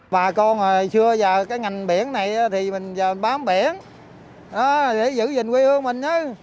bà con xưa giờ cái ngành biển này thì mình bám biển để giữ gìn quê hương mình